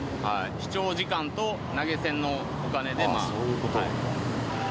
視聴時間と投げ銭のお金でまあ。